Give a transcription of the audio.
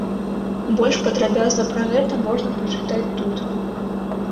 Больш падрабязна пра гэта можна прачытаць тут.